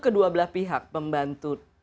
kedua belah pihak membantu